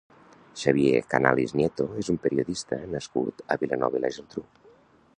Xavier Canalis Nieto és un periodista nascut a Vilanova i la Geltrú.